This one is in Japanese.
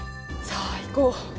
さあ行こう。